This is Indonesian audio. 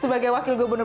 sebagai wakil gubernur